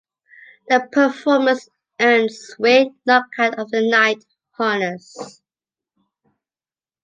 The performance earned Swick "Knockout of the Night" honors.